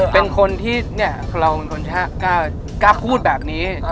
เป็นคนที่เราเป็นคนกล้าพูดแบบนี้